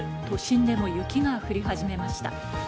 都心でも雪が降り始めました。